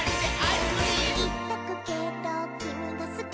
「いっとくけどきみがすき」